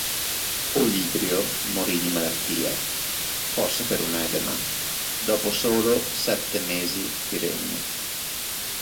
Olibrio morì di malattia, forse per un edema, dopo solo sette mesi di regno.